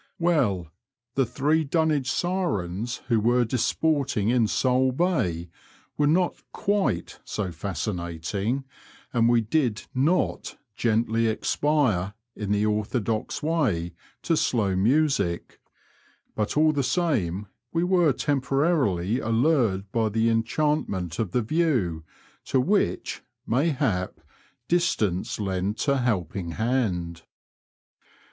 Well, the three Dunwich sirens who were disporting in Sole Bay were not quite so fascinating, and we did not gently expire, in the orthodox way, to slow music, but all the same we were temporarily allured by the enchantment of the view, to which, mayhap, distance lent a helping hand.